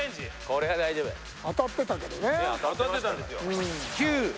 これは大丈夫当たってたんですよ